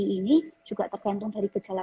ini juga tergantung dari gejala